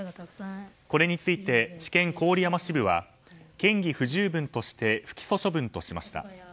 これについて地検郡山支部は嫌疑不十分として不起訴処分としました。